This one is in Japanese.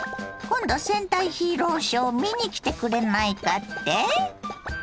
今度戦隊ヒーローショー見に来てくれないかって？